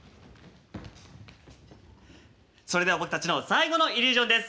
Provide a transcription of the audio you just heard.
それでは僕たちの最後のイリュージョンです。